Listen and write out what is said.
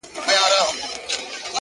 o كه څه هم تور پاته سم سپين نه سمه ـ